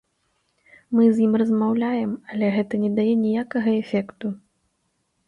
Мы з ім размаўляем, але гэта не дае ніякага эфекту.